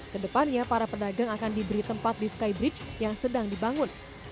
kedepannya para pedagang akan diberi tempat di skybridge yang sedang dibangun